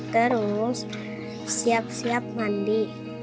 terus siap siap mandi